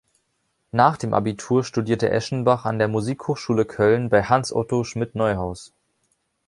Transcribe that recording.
Nach dem Abitur studierte Eschenbach an der Musikhochschule Köln bei Hans-Otto Schmidt-Neuhaus.